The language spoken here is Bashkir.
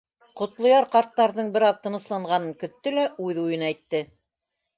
Ҡотлояр ҡарттарҙың бер аҙ тынысланғанын көттө лә үҙ уйын әйтте.